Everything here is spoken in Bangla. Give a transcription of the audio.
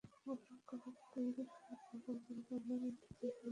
গোলরক্ষক কেইলর নাভাসও পুরো টুর্নামেন্টে বেশ সুনাম কুড়িয়েছিলেন ভালো পারফরম্যান্স দেখিয়ে।